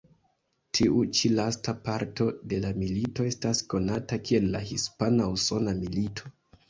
Tiu ĉi lasta parto de la milito estas konata kiel la Hispana-usona milito.